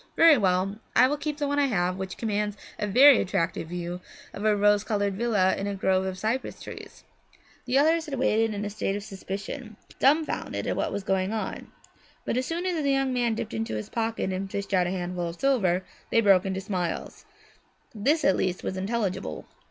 Very well, I will keep the one I have, which commands a very attractive view of a rose coloured villa set in a grove of cypress trees.' The others had waited in a state of suspension, dumbfounded at what was going on. But as soon as the young man dipped into his pocket and fished out a handful of silver, they broke into smiles; this at least was intelligible.